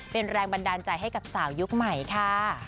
เป็นแรงบันดาลใจให้กับสาวยุคใหม่ค่ะ